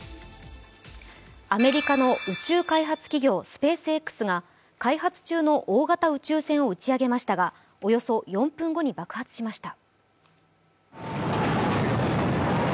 アメリカの宇宙開発企業スペースＸが開発中の大型宇宙船を打ち上げましたがおよそ４分後に爆発しました。